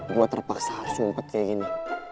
gua terpaksa harus ngumpet kayak gini